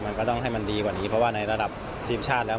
มันก็ต้องให้มันดีกว่านี้เพราะว่าในระดับทีมชาติแล้ว